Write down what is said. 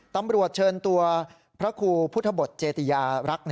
ตำรวจเชิญตัวพระครูพุทธบทเจติยารักษ์